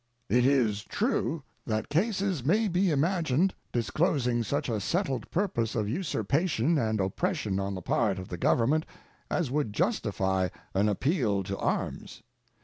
It is true that cases may be imagined disclosing such a settled purpose of usurpation and oppression on the part of the Government as would justify an appeal to arms.